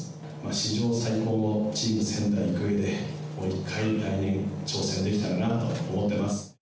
史上最高のチーム、仙台育英で、もう一回来年挑戦できたらなと思ってます。